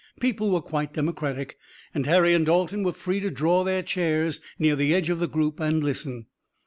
People were quite democratic, and Harry and Dalton were free to draw their chairs near the edge of the group and listen.